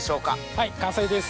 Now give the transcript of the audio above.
はい完成です。